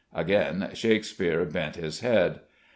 Again Shakespeare bent his head.